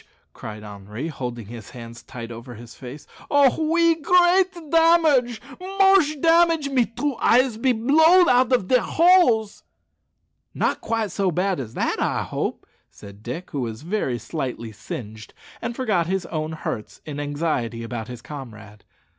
cried Henri, holding his hands tight over his face. "Oh! oui, great damage moche damage; me two eyes be blowed out of dere holes." "Not quite so bad as that, I hope," said Dick, who was very slightly singed, and forgot his own hurts in anxiety about his comrade.